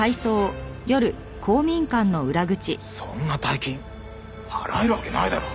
そんな大金払えるわけないだろ！